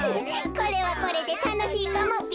これはこれでたのしいかもべ。